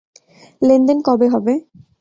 লেনদেন কবে হবে?